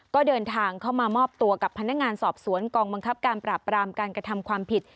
ก็เดินทางเข้ามามอบตัวกับพนักงานสอบสวนกองบังคับการปราบรามการกระทำความผิด